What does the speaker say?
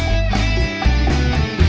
kenapa tidak bisa